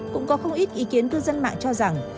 cũng có không ít ý kiến cư dân mạng cho rằng